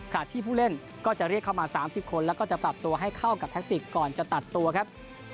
ที่ผู้เล่นก็จะเรียกเข้ามา๓๐คนแล้วก็จะปรับตัวให้เข้ากับแท็กติกก่อนจะตัดตัวครับ